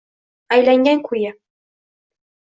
aylangan koʼyi